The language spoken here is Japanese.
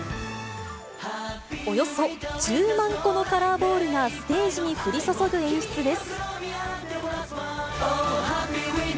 およそ１０万個のカラーボールがステージに降り注ぐ演出です。